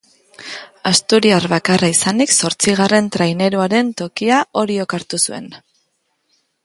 Asturiar bakarra izanik zortzigarren traineruaren tokia Oriok hartu zuen.